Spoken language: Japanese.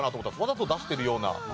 わざと出してるような。